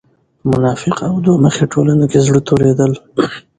په منافقه او دوه مخې ټولنه کې زړۀ توريدل